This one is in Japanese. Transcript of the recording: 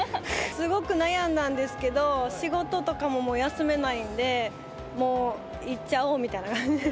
すごく悩んだんですけど、仕事とかも、もう休めないんで、もう行っちゃおうみたいな感じで。